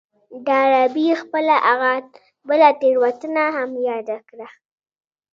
ډاربي خپله هغه بله تېروتنه هم ياده کړه.